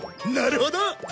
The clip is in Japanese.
なるほど！